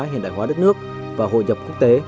hiện đại hóa đất nước và hội nhập quốc tế